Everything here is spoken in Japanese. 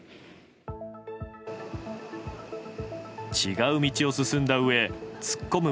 違う道を進んだうえ突っ込む